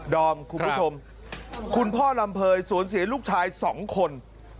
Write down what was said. อมคุณผู้ชมคุณพ่อลำเภยสวนเสียลูกชาย๒คน